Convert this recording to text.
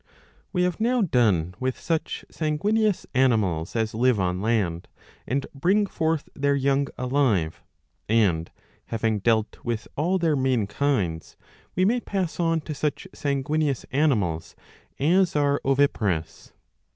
(Ch. w.) We have now done with such sanguineous animals as live on land and bring forth their young alive ;^ and, having dealt with all their main kinds, we may pass on to such sanguineous animals as are oviparous.